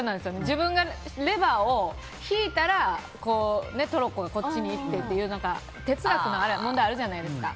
自分がレバーを引いたらトロッコがこっちに行ってって哲学の問題あるじゃないですか。